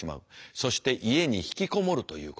そして家に引きこもるということになる。